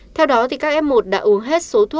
theo đó các f một đã uống hết